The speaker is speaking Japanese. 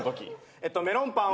えっとメロンパンを。